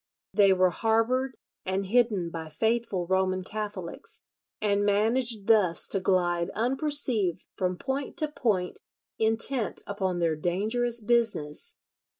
They were harboured and hidden by faithful Roman Catholics, and managed thus to glide unperceived from point to point intent upon their dangerous business.